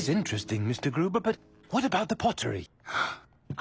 あ！